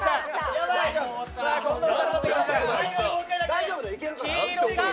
大丈夫だよ、いけるから。